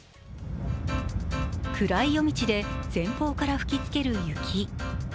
暗い夜道で前方から吹きつける雪。